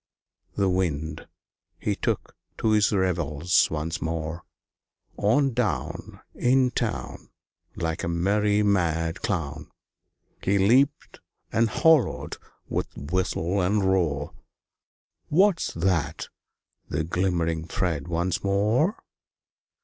The Wind, he took to his revels once more; On down In town, Like a merry mad clown, He leaped and hallooed with whistle and roar, "What's that?" The glimmering thread once more!